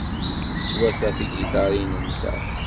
Neswata tigiṭarin-nteɣ.